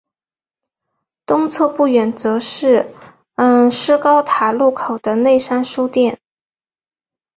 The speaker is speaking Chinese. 东侧不远则是施高塔路口的内山书店。